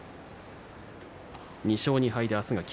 ２勝２敗です。